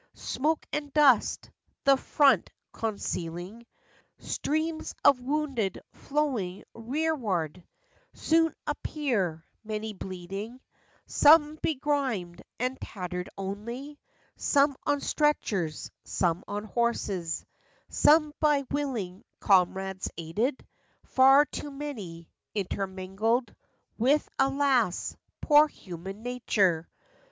Smoke and dust the "front" concealing; Streams of wounded flowing rearward Soon appear; many bleeding; Some begrimed and tattered only; Some on stretchers, some on horses, Some by willing comrades aided— Far too many—intermingled With—alas, poor human nature